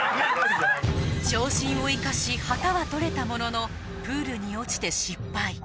長身を生かし旗は取れたもののプールに落ちて失敗